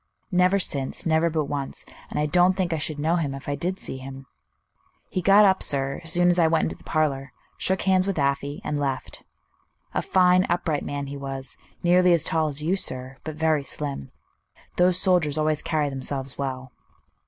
"Never since, never but once; and I don't think I should know him if I did see him. He got up, sir, as soon as I went into the parlor, shook hands with Afy, and left. A fine, upright man he was, nearly as tall as you, sir, but very slim. Those soldiers always carry themselves well."